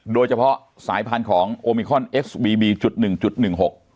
โดยเฉพาะสายพันธุ์ของโอมิคอนเอ็กซ์บีบีจุดหนึ่งจุดหนึ่งหก